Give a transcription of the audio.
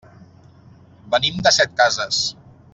Venim de Setcases.